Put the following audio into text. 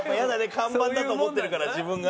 看板だと思ってるから自分が。